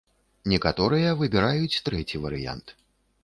Некаторыя выбіраюць трэці варыянт.